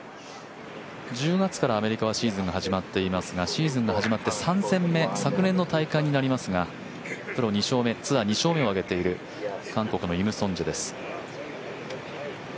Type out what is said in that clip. １０月からアメリカはシーズンが始まっていますがシーズンが始まって３戦目昨年の大会になりますがプロ２勝目ツアー２勝目を挙げている韓国のイム・ソンジェです。